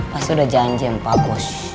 pasti udah janji mbak bos